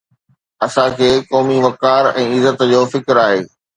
اسان کي قومي وقار ۽ عزت جو فڪر آهي.